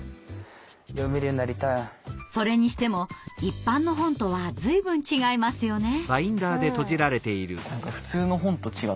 それにしても一般の本とは随分違いますよね。